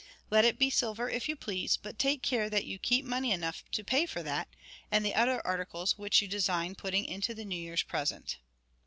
Let it be silver, if you please; but take care that you keep money enough to pay for that, and the other articles which you design putting into the New Year's present.'